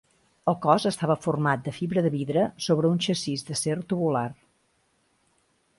El cos estava format de fibra de vidre sobre un xassís d'acer tubular.